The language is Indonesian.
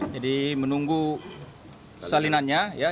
jadi menunggu salinannya